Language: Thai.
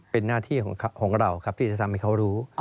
เป็นหน้าที่ของเราครับที่จะทำให้เขารู้